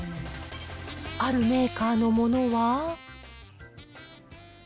あるメーカーのものは。